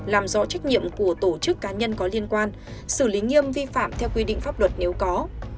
làm rõ trách nhiệm của tổ chức cá nhân có liên quan xử lý nghiêm vi phạm theo quy định pháp luật nếu có